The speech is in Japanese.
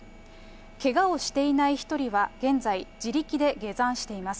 けがをしていない１人は、現在、自力で下山しています。